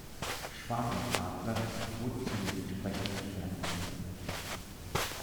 Schwan und Adler wurden zu den entsprechenden Sternbildern.